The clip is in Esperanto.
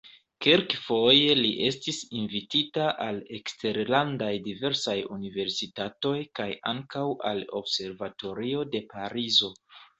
Kelkfoje li estis invitita al eksterlandaj diversaj universitatoj kaj ankaŭ al observatorio de Parizo.